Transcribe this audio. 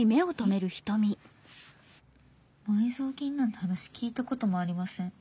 「埋蔵金なんて話聞いたこともありません。